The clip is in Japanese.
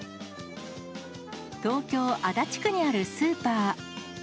東京・足立区にあるスーパー。